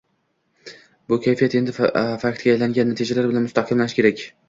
Bu kayfiyat endi faktga aylangan natijalar bilan mustahkamlanishi kerak.